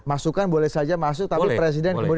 masukkan boleh saja masuk tapi presiden